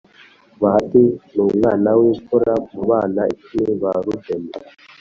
bahati numwan wimfura mubana icumi ba rubeni